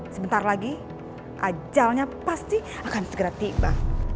sebentar lagi ajalnya pasti akan segera tiba